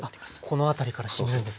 この辺りからしみるんですね。